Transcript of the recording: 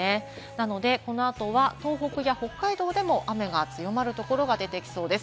なので、この後は東北や北海道でも雨が強まるところが出てきそうです。